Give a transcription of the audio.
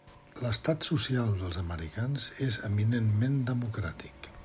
L'estat social dels americans és eminentment democràtic.